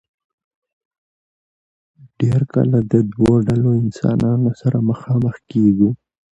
ډېر کله د دو ډلو انسانانو سره مخامخ کيږو